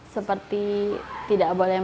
seperti tidak boleh mencoba